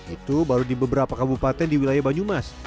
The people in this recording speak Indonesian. itu baru di beberapa kabupaten di wilayah banjumas